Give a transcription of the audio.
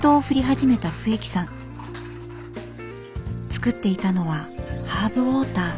作っていたのはハーブウォーター。